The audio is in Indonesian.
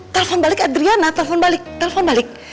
telepon balik adriana telepon balik telepon balik